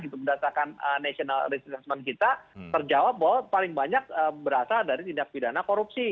berdasarkan national researchment kita terjawab bahwa paling banyak berasal dari tindak pidana korupsi